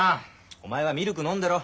お前はミルク飲んでろ。